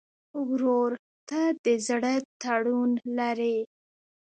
ورور ته د زړه تړون لرې.